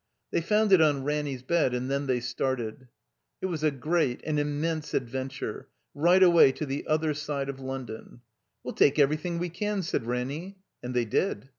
They found it on Ranny's bed, and then they started. It was a great, an immense adventure, right away to the other side of London. "We'll take eversrthing we can," said Ranny. And they did.